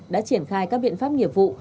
đã triển khai các biện pháp nghiệp vụ